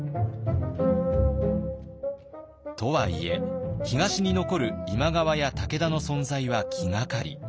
とはいえ東に残る今川や武田の存在は気がかり。